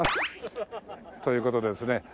という事でですね